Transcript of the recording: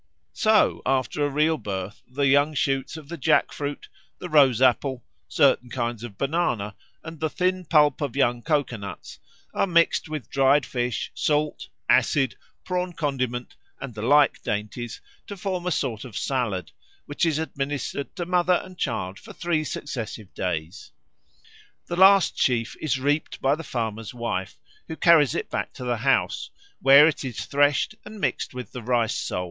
So after a real birth the young shoots of the jack fruit, the rose apple, certain kinds of banana, and the thin pulp of young coco nuts are mixed with dried fish, salt, acid, prawn condiment, and the like dainties to form a sort of salad, which is administered to mother and child for three successive days. The last sheaf is reaped by the farmer's wife, who carries it back to the house, where it is threshed and mixed with the Rice soul.